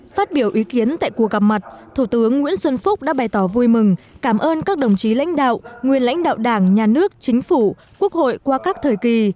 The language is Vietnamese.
phát biểu ý kiến tại cuộc gặp mặt thủ tướng nguyễn xuân phúc đã bày tỏ vui mừng cảm ơn các đồng chí lãnh đạo nguyên lãnh đạo đảng nhà nước chính phủ quốc hội qua các thời kỳ